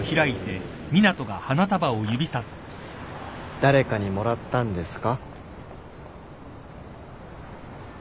誰かにもらったんですか？